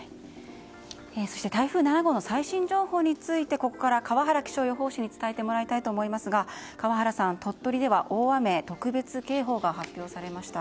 そして台風７号の最新情報についてここから川原気象予報士に伝えてもらいたいと思いますが川原さん、鳥取では大雨特別警報が発令されました。